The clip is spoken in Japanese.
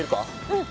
うん。